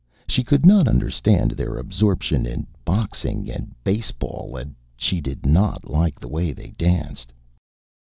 She could not understand their absorption in boxing and baseball and she did not like the way they danced.